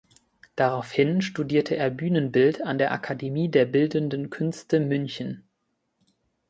Daraufhin studierte er Bühnenbild an der Akademie der Bildenden Künste München.